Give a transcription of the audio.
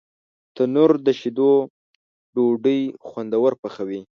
تنور د شیدو ډوډۍ خوندور پخوي